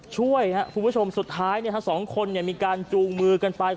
ช่วยนะฮะผู้ผู้ชมสุดท้ายเนี่ยทั้ง๒คนเนี่ยมีการจูงมือกันไป